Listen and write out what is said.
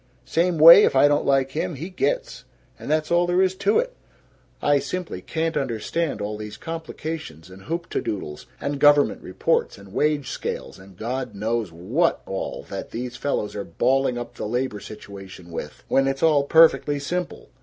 Same way, if I don't like him, he gits. And that's all there is to it. I simply can't understand all these complications and hoop te doodles and government reports and wage scales and God knows what all that these fellows are balling up the labor situation with, when it's all perfectly simple.